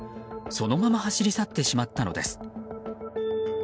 そのまま走り去ってしまったのです。